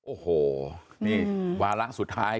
โอ้โหนี่วาระสุดท้าย